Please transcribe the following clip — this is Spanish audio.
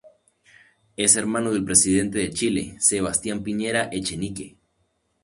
Es hermano del presidente de Chile Sebastián Piñera Echenique.